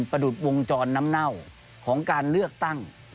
ประดุษวงจรน้ำเน่าของการเลือกตั้ง